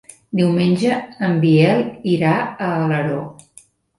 Diumenge en Biel irà a Alaró.